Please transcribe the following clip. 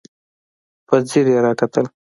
په ځير يې راکتل.